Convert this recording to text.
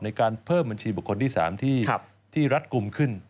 ในการเพิ่มบัญชีบุคคลที่๓ที่รัดกลุ่มขึ้น